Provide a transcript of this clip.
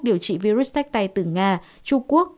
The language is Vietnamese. điều trị virus tách tay từ nga trung quốc